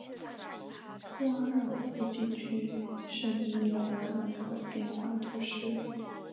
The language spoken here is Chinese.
沃埃夫尔地区圣伊莱尔人口变化图示